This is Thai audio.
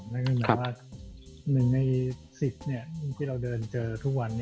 ก็คือหมายความว่า๑ใน๑๐ที่เราเดินเจอทุกวัน